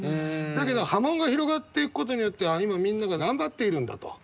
だけど波紋が広がっていくことによって「あっ今みんなが頑張っているんだ」と。